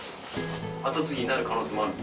後継ぎになる可能性もある？